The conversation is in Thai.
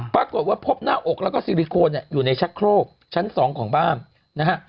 ปรากฏว่าพบหน้าอกแล้วก็ซิลิโคนเนี่ยอยู่ในชักโครกชั้น๒ของบ้านนะฮะ